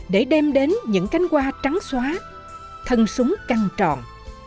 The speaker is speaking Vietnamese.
để đem đến những cánh hoa trắng xóa thân súng căng tròn